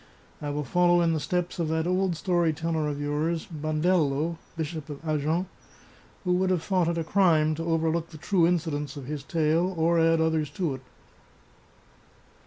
I will follow in the steps of that old story teller of yours, Ban dello, Bishop of Agen, who would have thought it a crime to overlook the true incidents of his tale, or add others to it."